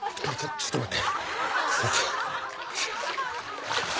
ちょっと待って。